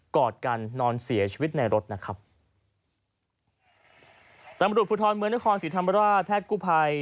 กอดกันนอนเสียชีวิตในรถนะครับตัำรุธภูทรเมืองนครสิทธันบรรยาแพทย์กู่ภัย